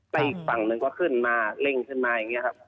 และอีกฝั่งหนึ่งก็ขึ้นมาเร่งขึ้นมาอย่างนี้ครับ